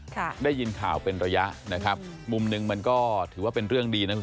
ค่ะได้ยินข่าวเป็นระยะนะครับมุมหนึ่งมันก็ถือว่าเป็นเรื่องดีนะคุณ